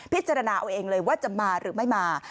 พิจารณาเอาเองเลยว่าจะมาหรือไม่มา